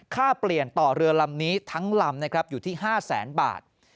ค่าเปลี่ยนต่อเรือลำนี้ทั้งลำอยู่ที่๕๐๐๐๐๐บาท